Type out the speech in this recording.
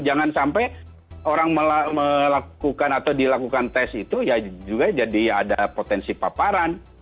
jangan sampai orang melakukan atau dilakukan tes itu ya juga jadi ada potensi paparan